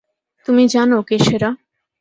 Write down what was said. তুমি জানো কে সেরা?